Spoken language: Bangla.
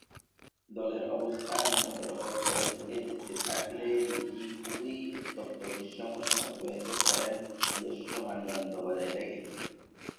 দলের অবস্থা নিম্নতর পর্যায়ের দিকে যেতে থাকলেও দুইটি খুবই উত্তপ্ত গ্রীষ্ম মৌসুম অতিবাহিত করেন নিজস্ব মানদণ্ড বজায় রেখে।